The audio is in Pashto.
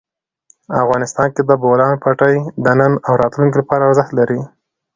افغانستان کې د بولان پټي د نن او راتلونکي لپاره ارزښت لري.